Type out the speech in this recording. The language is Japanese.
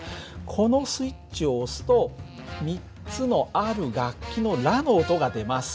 このスイッチを押すと３つのある楽器のラの音が出ます。